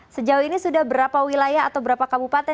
sejauh ini sudah berapa wilayah atau berapa kabupaten